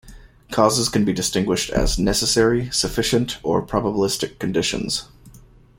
Causes can be distinguished as necessary, sufficient or probabilistic conditions.